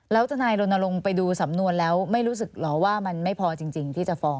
แล้วทนายรณรงค์ไปดูสำนวนแล้วไม่รู้สึกเหรอว่ามันไม่พอจริงที่จะฟ้อง